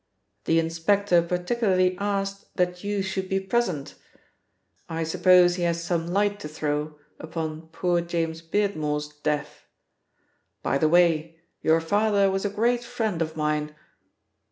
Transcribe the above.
"The inspector particularly asked that you should be present. I suppose he has some light to throw upon poor James Beardmore's death by the way, your father was a great friend of mine."